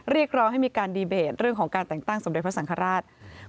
เรียกร้องให้มีการดีเบตเรื่องของการแต่งตั้งสมเด็จพระสังฆราช